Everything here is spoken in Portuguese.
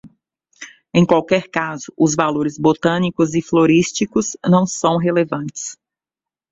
Em qualquer caso, os valores botânicos e florísticos não são relevantes.